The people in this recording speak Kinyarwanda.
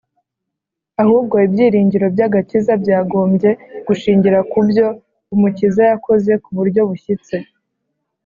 Ahubwo, ibyiringiro by'agakiza byagombye gushingira ku byo Umukiza yakoze ku buryo bushyitse,